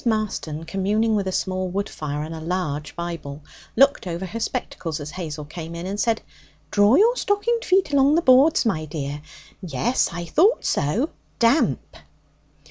Marston, communing with a small wood fire and a large Bible, looked over her spectacles as Hazel came in, and said: 'Draw your stockinged foot along the boards, my dear. Yes, I thought so, damp.'